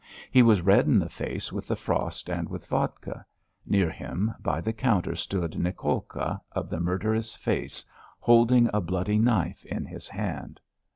He was red in the face with the frost and with vodka; near him by the counter stood Nicolka of the murderous face, holding a bloody knife in his hand.